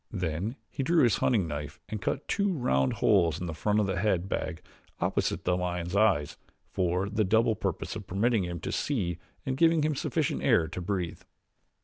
Then he drew his hunting knife and cut two round holes in the front of the head bag opposite the lion's eyes for the double purpose of permitting him to see and giving him sufficient air to breathe.